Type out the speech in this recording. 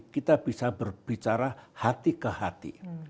kita bisa berbicara hati ke hati